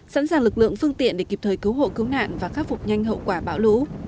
sẵn sàng lực lượng phương tiện để kịp thời cứu hộ cứu nạn và khắc phục nhanh hậu quả bão lũ